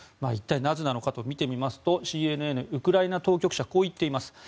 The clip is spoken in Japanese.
一体なぜなのかと見てみますとＣＮＮ、ウクライナ当局者はこう言っています。